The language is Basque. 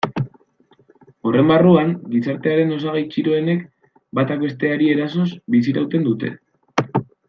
Horren barruan, gizartearen osagai txiroenek batak besteari erasoz bizirauten dute.